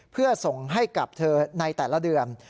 เพื่อส่งให้กับเธอในแต่ละเดือน